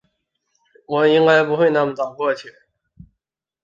我应该不会那么早过去